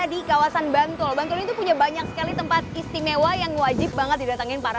di kawasan bantul bantul itu punya banyak sekali tempat istimewa yang wajib banget didatangin para